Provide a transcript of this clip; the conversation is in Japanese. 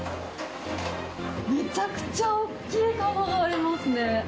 めちゃくちゃおっきな釜がありますね。